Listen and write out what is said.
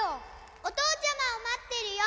おとうちゃまをまってるよ。